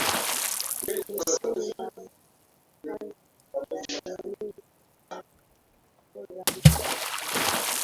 Beseni la Malagarasi lina eneo la kilomita za mraba